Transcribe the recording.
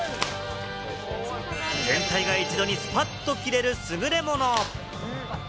全体が一度にスパッと切れる優れもの。